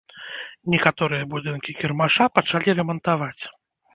Некаторыя будынкі кірмаша пачалі рамантаваць.